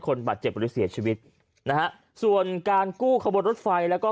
คนบาดเจ็บหรือเสียชีวิตนะฮะส่วนการกู้ขบวนรถไฟแล้วก็